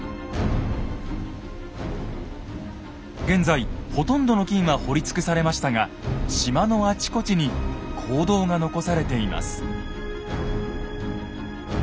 現在ほとんどの金は掘り尽くされましたが島のあちこちに坑道が残されています。